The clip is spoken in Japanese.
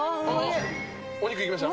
お肉いきました？